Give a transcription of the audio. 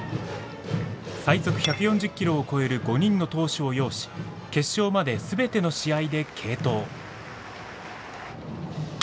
最速１４０キロを超える５人の投手を擁し決勝まで全ての試合で継投。